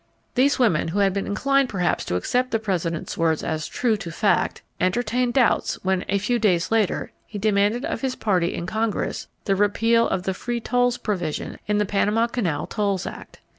Those women who had been inclined perhaps to accept the President's words as true to fact, entertained doubts when a .few days later he demanded of his party in Congress the repeal of the free tolls provision in the Panama Canal tolls act.